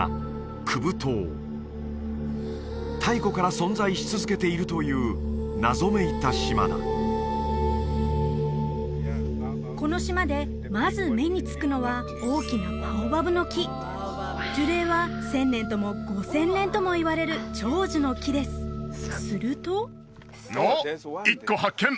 クブ島太古から存在し続けているという謎めいた島だこの島でまず目につくのは大きな樹齢は１０００年とも５０００年ともいわれる長寿の木ですするとああ１個発見！